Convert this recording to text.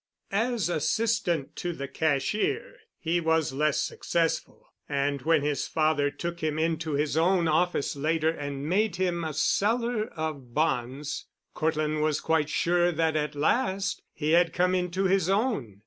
As assistant to the cashier he was less successful, and when his father took him into his own office later and made him a seller of bonds, Cortland was quite sure that at last he had come into his own.